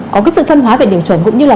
có sự chăn hóa về điểm chuẩn cũng như là